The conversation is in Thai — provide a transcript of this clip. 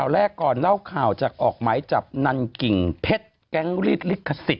ต้องจับนาลงิ่งเพทแก๊งรีสลิกขสิทธิ์